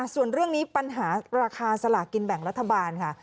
ส่วนเรื่องนี้ปัญหาราคาสลากกินแบ่งรัฐบาลค่ะ